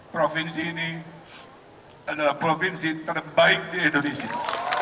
provinsi ini adalah provinsi terbaik di indonesia